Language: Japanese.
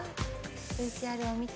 ＶＴＲを見て。